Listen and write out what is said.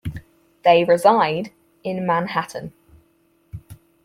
They reside in Manhattan.